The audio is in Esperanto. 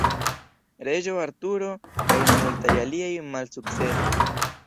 Reĝo Arturo kaj multaj aliaj malsukcesis.